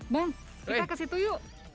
bung kita ke situ yuk